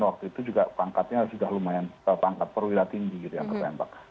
waktu itu juga pangkatnya sudah lumayan terpangkat perwira tinggi gitu yang tertembak